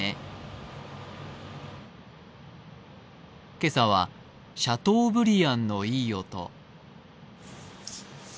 今朝はシャトーブリアンのいい音。